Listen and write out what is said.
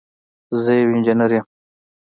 زه یو انجینر یم